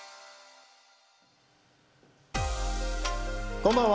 こんばんは。